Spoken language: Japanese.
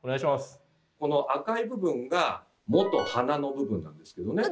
この赤い部分がもと鼻の部分なんですけどね。